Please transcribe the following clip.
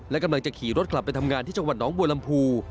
และกำลังจะขี่รถกลับไปทำงานที่จังหวัดน้องบัวลำพู